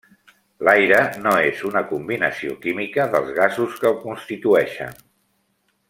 L'aire no és una combinació química dels gasos que el constitueixen.